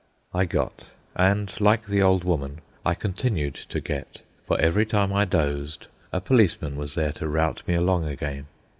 I got. And, like the old woman, I continued to get; for every time I dozed, a policeman was there to rout me along again.